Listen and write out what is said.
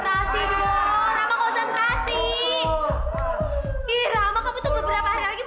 ih rama kamu tuh beberapa hari lagi mau tanding